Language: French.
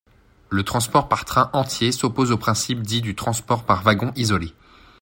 Le transport par train entier s'oppose au principe dit du transport par wagon isolé.